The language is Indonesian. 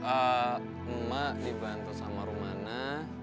emak emak dibantu sama rumana